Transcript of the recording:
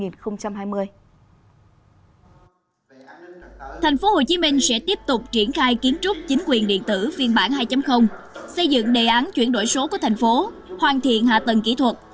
tp hcm sẽ tiếp tục triển khai kiến trúc chính quyền điện tử phiên bản hai xây dựng đề án chuyển đổi số của thành phố hoàn thiện hạ tầng kỹ thuật